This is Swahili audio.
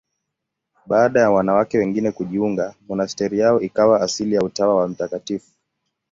Baada ya wanawake wengine kujiunga, monasteri yao ikawa asili ya Utawa wa Mt.